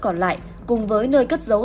còn lại cùng với nơi cất dấu